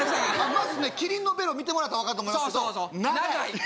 まずねキリンのベロ見てもらったらわかると思いますけど長い